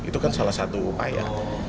itu kan salah satu upaya